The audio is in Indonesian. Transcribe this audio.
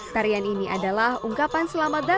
tarian ini adalah ungkapan selamat datang